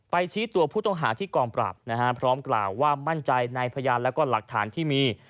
ชี้ตัวผู้ต้องหาที่กองปราบนะฮะพร้อมกล่าวว่ามั่นใจในพยานแล้วก็หลักฐานที่มี